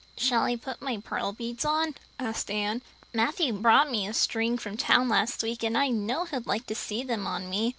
"Shall I put my pearl beads on?" asked Anne. "Matthew brought me a string from town last week, and I know he'd like to see them on me."